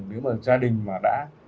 nếu mà gia đình mà đã